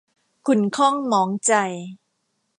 ขุ่นข้องหมองใจ